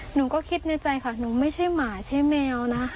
หนูก็คิดในใจค่ะหนูไม่ใช่หมาใช่แมวนะ